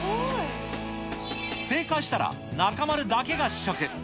正解したら、中丸だけが試食。